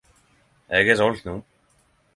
Eg er solgt no.